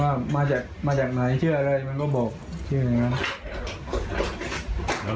ว่ามาจากมาจากไหนชื่ออะไรมันก็บอกชื่ออย่างนั้น